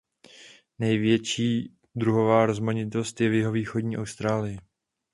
Největší druhová rozmanitost je v jihovýchodní Austrálii.